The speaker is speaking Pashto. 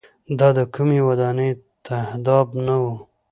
دا د کومۍ ودانۍ تهداب نه و.